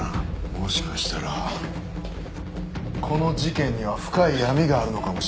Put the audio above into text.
もしかしたらこの事件には深い闇があるのかもしれませんね。